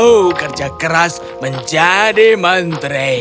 oh kerja keras menjadi menteri